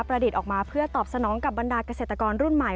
ออกมาเพื่อตอบสนองกับบรรดาเกษตรกรรุ่นใหม่